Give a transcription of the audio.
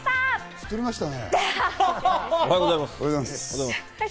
太りましたね。